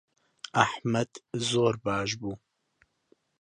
ئەحمەد زۆر باش بوو.